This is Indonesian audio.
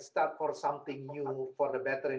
itulah mengapa penyelamat harus